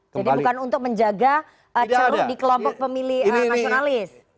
jadi bukan untuk menjaga celu di kelompok pemilih nasionalis